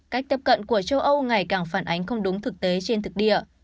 cách tiếp cận của châu âu ngày càng phản ánh không đúng thực tế trên thực địa